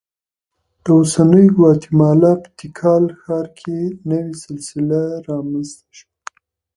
د اوسنۍ ګواتیمالا په تیکال ښار کې نوې سلسله رامنځته شوه